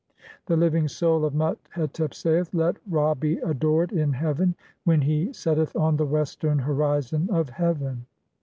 VII. The living soul of Mut (2)hetep saith:— "Let (3) Ra "be adored in heaven, and when (4) he setteth on the western "horizon of heaven."